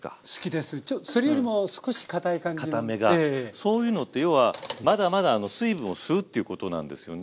そういうのって要はまだまだ水分を吸うっていうことなんですよね。